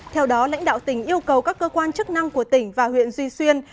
theo đó lãnh đạo tỉnh yêu cầu các cơ quan chức năng của tỉnh và huyện duy xuyên